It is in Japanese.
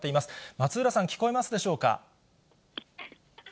松浦さん、聞こえますでしょうか。